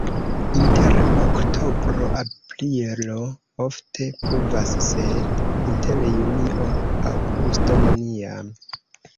Inter oktobro-aprilo ofte pluvas, sed inter junio-aŭgusto neniam.